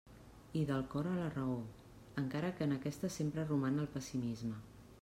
I del cor a la raó, encara que en aquesta sempre roman el pessimisme.